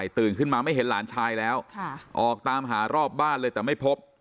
ตื่นขึ้นมาไม่เห็นหลานชายแล้วออกตามหารอบบ้านเลยแต่ไม่พบ